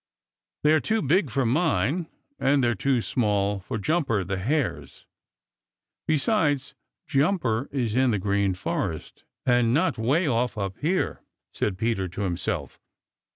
"They are too big for mine, and they are too small for Jumper the Hare's. Besides, Jumper is in the Green Forest and not way off up here," said Peter to himself.